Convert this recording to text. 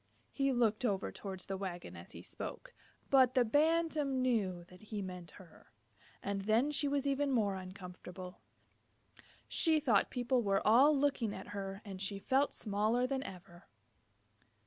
He looked over towards the wagon as he spoke, but the Bantam knew that he meant her, and then she was even more uncomfortable. She thought people were all looking at her, and she felt smaller than ever.